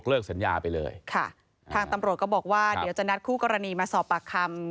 สัญญาไปเลยค่ะทางตำรวจก็บอกว่าเดี๋ยวจะนัดคู่กรณีมาสอบปากคำ